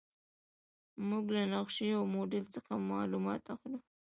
موږ له نقشې او موډل څخه معلومات اخلو.